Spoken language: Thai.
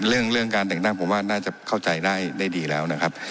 เรื่องเรื่องการเด็กนั่งผมว่าน่าจะเข้าใจได้ได้ดีแล้วนะครับ